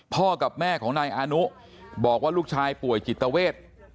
กับแม่ของนายอานุบอกว่าลูกชายป่วยจิตเวท